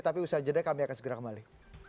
tapi usaha jeda kami akan segera kembali